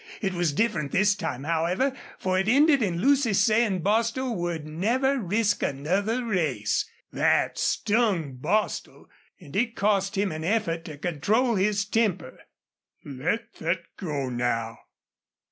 It was different this time, however, for it ended in Lucy saying Bostil would never risk another race. That stung Bostil, and it cost him an effort to control his temper. "Let thet go now.